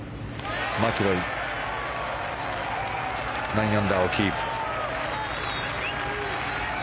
マキロイ、９アンダーをキープ。